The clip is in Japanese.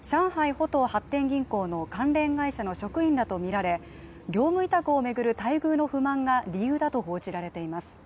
浦東発展銀行の関連会社の職員だとみられ、業務委託を巡る待遇の不満が理由だと報じられています。